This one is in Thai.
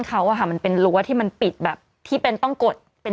เขาอะค่ะมันเป็นรั้วที่มันปิดแบบที่เป็นต้องกดเป็น